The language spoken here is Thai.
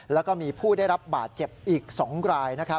แล้วก็มีผู้ได้รับบาดเจ็บอีก๒ราย